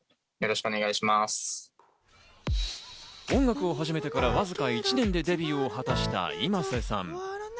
音楽を始めてからわずか１年でデビューを果たしたｉｍａｓｅさん。